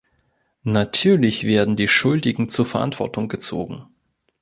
Natürlich werden die Schuldigen zur Verantwortung gezogen.